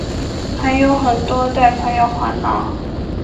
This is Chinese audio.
还有很多贷款要还哪